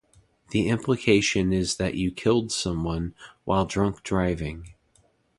The implication is that you killed someone while drunk driving.